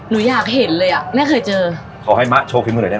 หนูอยากเห็นเลยอะหน้าเคยเจอขอให้มะโชว์ขึ้นเลยได้ไหมคะได้ค่ะ